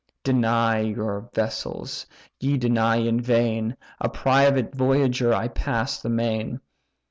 Deny your vessels, ye deny in vain: A private voyager I pass the main.